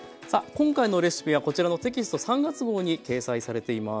今回のレシピはこちらのテキスト３月号に掲載されています。